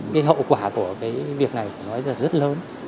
cái hậu quả của cái việc này nói là rất lớn